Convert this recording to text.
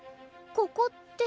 ここって？